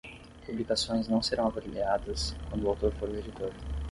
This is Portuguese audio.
Publicações não serão avaliadas quando o autor for o editor.